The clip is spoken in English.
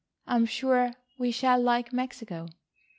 I am sure we shall like Mexico."